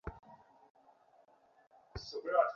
এ বুদ্ধি তাঁকে দিলে কে শুনি।